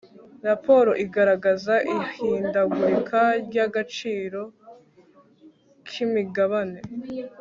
raporo igaragaza ihindagurika ry'agaciro k'imigabane